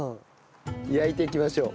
焼いていきましょう。